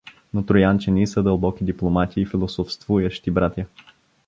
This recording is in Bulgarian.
Но троянчени са дълбоки дипломати и философствующи братя.